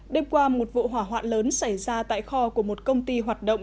đêm qua một vụ hỏa hoạn lớn xảy ra tại kho của một công ty hoạt động